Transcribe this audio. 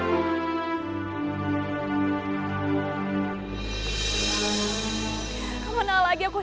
bagaimana kalau bella berkata tapi aku lupa